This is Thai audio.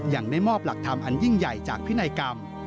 ยังได้มอบหลักธรรมอันยิ่งใหญ่จากพินัยกรรม